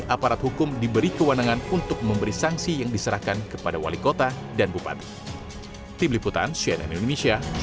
aparat hukum diberi kewenangan untuk memberi sanksi yang diserahkan kepada wali kota dan bupati